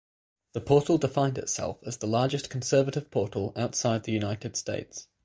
The portal defined itself as the largest conservative portal outside the United States.